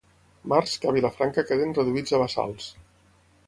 Mars que a Vilafranca queden reduïts a bassals.